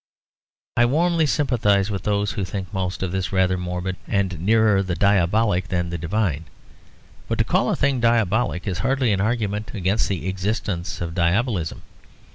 I warmly sympathise with those who think most of this rather morbid, and nearer the diabolic than the divine, but to call a thing diabolic is hardly an argument against the existence of diabolism.